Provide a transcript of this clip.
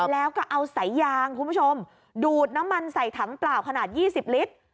แล้วก็เอาสายยางคุณผู้ชมดูดน้ำมันใส่ถังเปล่าขนาด๒๐ลิตร